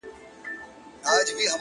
ستا خو صرف خندا غواړم چي تا غواړم؛